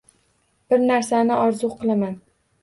Bir narsani orzu qilaman.